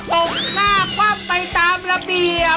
ตบหน้าคว่ำไปตามระเบียบ